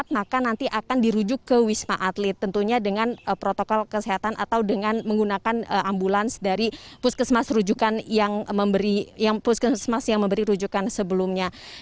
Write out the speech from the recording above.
maka nanti akan dirujuk ke wisma atlet tentunya dengan protokol kesehatan atau dengan menggunakan ambulans dari puskesmas yang memberi rujukan sebelumnya